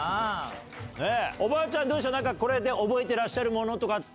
おばあちゃん、どうした、これで覚えてらっしゃるものとかって。